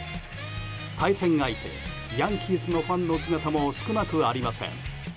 対戦相手、ヤンキースのファンの姿も少なくありません。